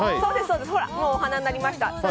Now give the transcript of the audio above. ほら、もうお花になりました。